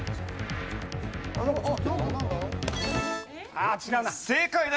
あ違うな。